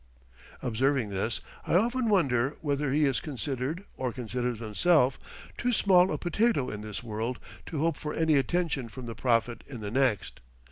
Observing this, I often wonder whether he is considered, or considers himself, too small a potato in this world to hope for any attention from the Prophet in the next.